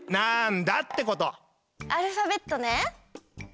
アルファベットね。